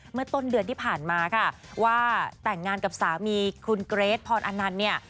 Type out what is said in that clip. เมื่อต้นเดือนที่ผ่านมาค่ะว่าแต่งงานกับสามีคุณเกรทพรอนันต์เนี่ย